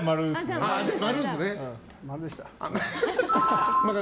○でした。